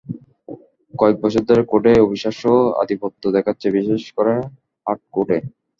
কয়েক বছর ধরে কোর্টে অবিশ্বাস্য আধিপত্য দেখাচ্ছে, বিশেষ করে হার্ড কোর্টে।